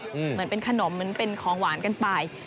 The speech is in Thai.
เหมือนเป็นขนมเหมือนเป็นของหวานกันไป